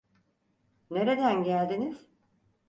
Nereden geldiniz?